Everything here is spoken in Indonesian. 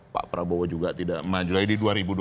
pak prabowo juga tidak maju lagi di dua ribu dua puluh